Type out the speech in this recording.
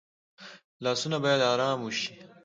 لاسونه باید آرام وشي